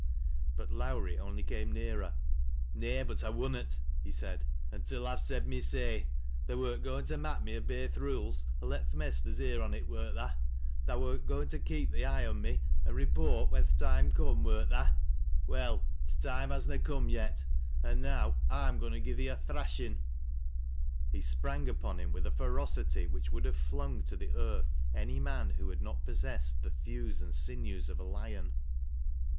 But Lowrie only came nearer. " Nay, but I wunnot," he said, " until I've said my say Tha wert goin' to mak' me obey th' rules or let th' mesters hear on it, wert tha? Tha wert goin' to keep thy eye on me, an' report when th' toime come, wert tha \ Well, th' toime has na come yet, and now I'm goin' to gi' thee a thrashin'." He sprang upon him with a ferocity which would have flung to the earth any man who had not possessed the thews and sinews of a lion.